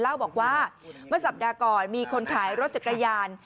เล่าบอกว่าเมื่อสัปดาห์ก่อนมีคนขายรถจักรยาน